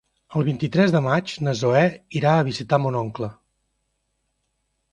El vint-i-tres de maig na Zoè irà a visitar mon oncle.